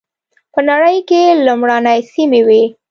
په نړۍ کې لومړنۍ سیمې وې.